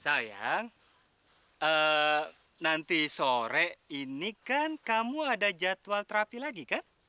sayang nanti sore ini kan kamu ada jadwal terapi lagi kan